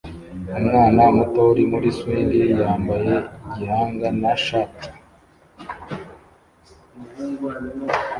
Umwana muto uri muri swing yambaye igihanga na shati